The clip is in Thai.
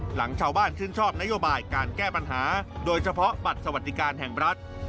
หลังชาวบ้านชื่นชอบนโยบายการแก้ปัญหาโดยเฉพาะบัตรสวัสดิการแห่งรัฐ